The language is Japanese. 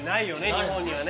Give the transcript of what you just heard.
日本にはね。